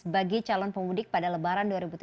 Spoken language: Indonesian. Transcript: bagi calon pemudik pada lebaran dua ribu tujuh belas